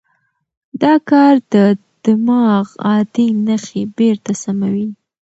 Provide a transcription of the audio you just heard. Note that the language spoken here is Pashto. دا کار د دماغ عادي نښې بېرته سموي.